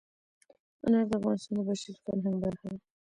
انار د افغانستان د بشري فرهنګ برخه ده.